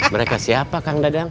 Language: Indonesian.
mereka siapa kang dadang